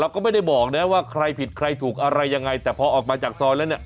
ก็ไม่ได้บอกนะว่าใครผิดใครถูกอะไรยังไงแต่พอออกมาจากซอยแล้วเนี่ย